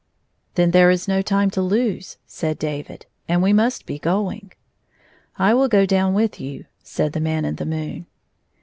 167 " Then there is no time to lose," said David, '* and we must be going. "" I will go down with you," said the Man in the moon.